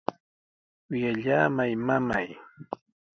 ¡Wiyallamay, mamay!